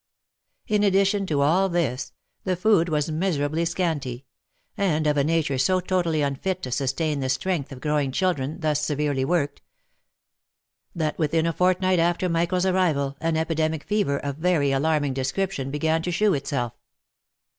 In addition to all this, the food was miserably scanty, and of a nature so totally unfit to sustain the strength of growing children thus severely worked, that within a fortnight after Michael's arrival, an epidemic fever of a very alarming description be gan to shew itself.